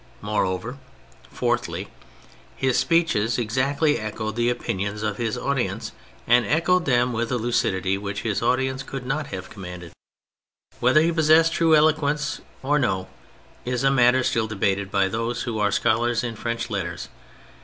IMore over — Fourthly, his speeches exactly echoed the opinions of his audience, and echoed them with a lucidity which his audience could not have commanded. Whether he possessed true eloquence or no is a matter still debated by those who are scholars in French letters.